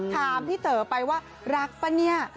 ถามพี่เต๋อไปว่ารักป่ะเนี่ย